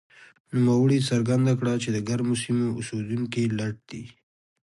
نوموړي څرګنده کړه چې د ګرمو سیمو اوسېدونکي لټ دي.